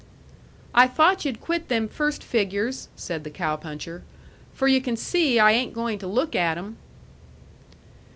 "I thought yu'd quit them first figures," said the cow puncher, "for yu' can see I ain't goin' to look at em."